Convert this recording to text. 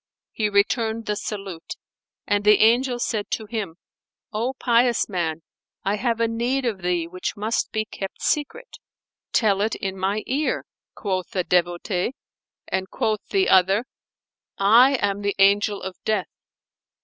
He returned the salute, and the Angel said to him, "O pious man, I have a need of thee which must be kept secret." "Tell it in my ear," quoth the devotee; and quoth the other, "I am the Angel of Death."